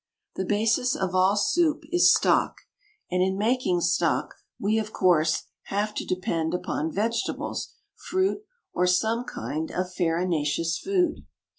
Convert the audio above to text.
The basis of all soup is stock, and in making stock we, of course, have to depend upon vegetables, fruit, or some kind of farinaceous food.